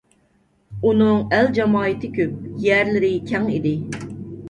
ئۇنىڭ ئەل-جامائىتى كۆپ، يەرلىرى كەڭ ئىدى.